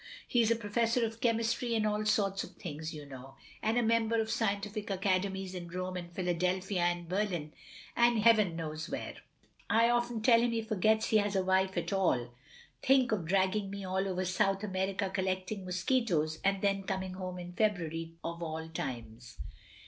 He is a professor of chemistry and all sorts of things, you know; and a member of scientific academies in Rome and Philadelphia and Berlin and heaven OF GROSVENOR SQUARE 175 knows where. I often tell him he forgets he has a wife at all. Think of dragging me all over South America collecting mosquitoes, and then coming home in February of all times.